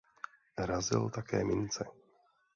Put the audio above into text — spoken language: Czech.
Razil také mince.